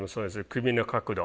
首の角度。